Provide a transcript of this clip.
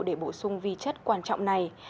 để bổ sung vi chất quan trọng này